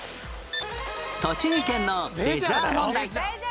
栃木県のレジャー問題